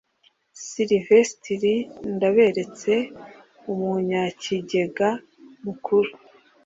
silivesitiri ndaberetse, umunyakigega mukuru